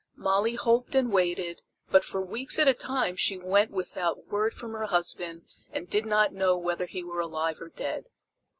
Molly hoped and waited, but for weeks at a time she went without word from her husband and did not know whether he were alive or dead.